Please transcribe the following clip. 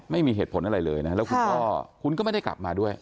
ไม่มีเหตุผลอะไรเลยนะแล้วคุณพ่อคุณก็ไม่ได้กลับมาด้วย